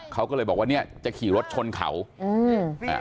เขาก็เลยบอกว่าเนี้ยจะขี่รถชนเขาอืมอ่า